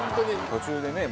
途中でね